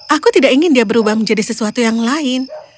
aku tidak ingin dia berubah menjadi sesuatu yang lain